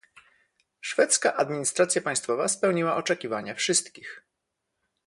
Szwedzka administracja państwowa spełniła oczekiwania wszystkich